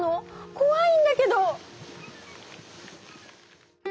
こわいんだけど！